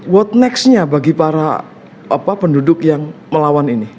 what next nya bagi para penduduk yang melawan ini